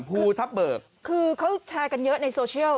ภูทับเบิกคือเขาแชร์กันเยอะในโซเชียล